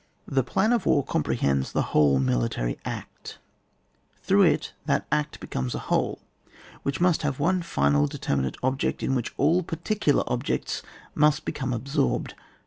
The Plan of the War comprehends the whole Military Act ; through it that Act becomes a whole, which must have one final determinate object, in which all particular objects must become absorbed.